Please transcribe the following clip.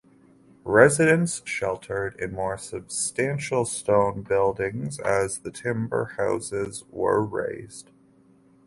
Residents sheltered in more substantial stone buildings as the timber houses were razed.